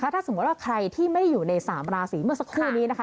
ถ้าสมมุติว่าใครที่ไม่ได้อยู่ใน๓ราศีเมื่อสักครู่นี้นะคะ